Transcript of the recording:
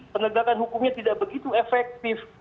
penegakan hukumnya tidak begitu efektif